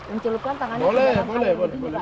boleh boleh boleh